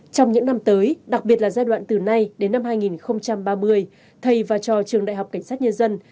trong những năm tới đặc biệt là giai đoạn từ nay đến năm hai nghìn ba mươi thầy và cho trường đại học cảnh sát nhân dân